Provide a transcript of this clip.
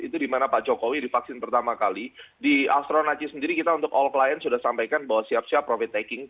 itu dimana pak jokowi divaksin pertama kali di astronaci sendiri kita untuk all clien sudah sampaikan bahwa siap siap profit taking